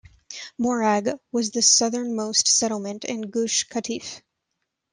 Morag, was the southernmost settlement in Gush Katif.